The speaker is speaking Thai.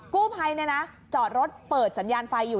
กู้ภัยจอดรถเปิดสัญญาณไฟอยู่